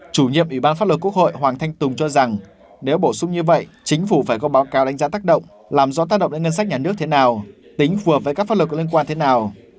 chủ nhiệm ủy ban pháp luật quốc hội hoàng thanh tùng cho rằng nếu bổ sung như vậy chính phủ phải có báo cáo đánh giá tác động làm rõ tác động đến ngân sách nhà nước thế nào tính phù hợp với các pháp lực liên quan thế nào